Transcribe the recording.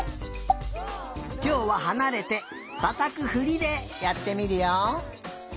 きょうははなれてたたくふりでやってみるよ。